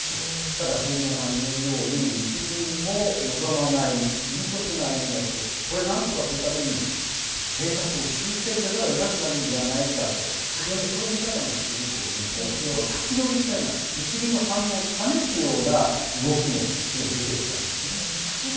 ただ副島さんが言うように、日銀も望まない急速な円安、これなんとかするために、政策を修正せざるをえなくなるんではないかという、市場にはそういう見方もくすぶって、いわば先取りしたような、日銀の反応を試すような動きもすでに出てきたんですね。